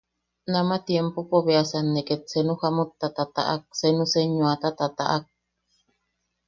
Nama tiempopo beasan ne ket senu jamutta ne tataʼak, senu senyoata tataʼak.